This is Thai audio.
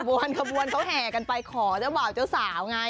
วนขบวนเขาแห่กันไปขอเจ้าบ่าวเจ้าสาวไง